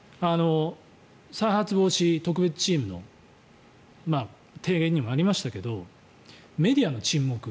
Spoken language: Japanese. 再発防止特別チームの提言にもありましたけどメディアの沈黙